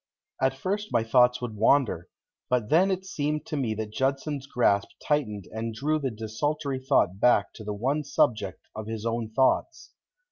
At first my thoughts would wander, but then it seemed to me that Judson's grasp tightened and drew the desultory thought back to the one subject of his own thoughts.